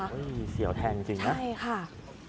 เห้ยเสียวแทงจริงนะ